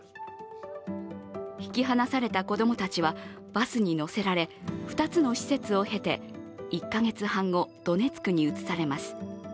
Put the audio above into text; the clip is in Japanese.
引き離された子供たちはバスに乗せられ、２つの施設を経て１か月半後、ドネツクに移されます。